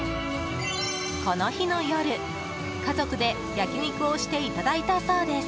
この日の夜、家族で焼き肉をしていただいたそうです。